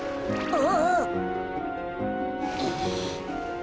あ？